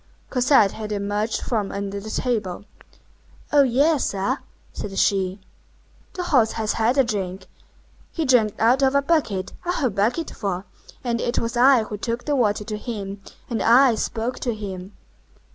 Cosette had emerged from under the table. "Oh, yes, sir!" said she, "the horse has had a drink; he drank out of a bucket, a whole bucketful, and it was I who took the water to him, and I spoke to him."